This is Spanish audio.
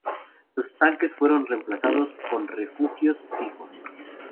Los tanques fueron reemplazados con refugios fijos.